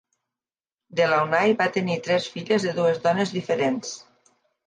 De Launay va tenir tres filles de dues dones diferents.